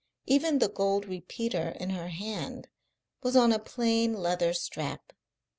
Even the gold repeater in her hand was on a plain leather strap.